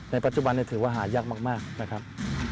ปัจจุบันถือว่าหายากมากนะครับ